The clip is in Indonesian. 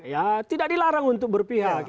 ya tidak dilarang untuk berpihak